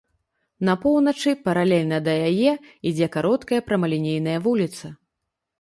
На поўначы паралельна да яе ідзе кароткая прамалінейная вуліца.